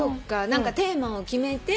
何かテーマを決めて。